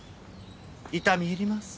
痛み入ります。